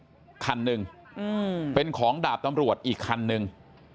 อ่าอ๋ออื่ออืมนึงอืมเป็นของดาบตำรวจอีกคันหนึ่ง